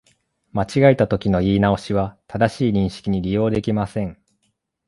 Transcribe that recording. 間違えたときの言い直しは、正しい認識に利用できません